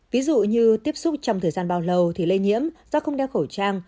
ví dụ như tiếp xúc trong thời gian bao lâu thì lây nhiễm do không đeo khẩu trang